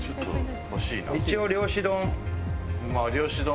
一応漁師丼。